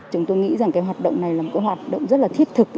chúng tôi nghĩ rằng cái hoạt động này là một hoạt động rất là thiết thực